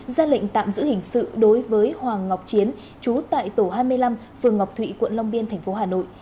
ra lệnh tạm giữ hình sự đối với hoàng ngọc chiến chú tại tổ hai mươi năm phường ngọc thụy quận long biên tp hà nội